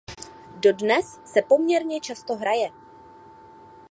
Dodnes se poměrně často hraje.